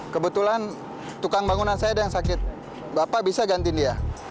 kebetulan tukang bangunan saya ada yang sakit bapak bisa gantiin dia